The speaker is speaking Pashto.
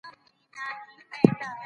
په لمړي ځل زموږ په سيمه کې واوره وشوه.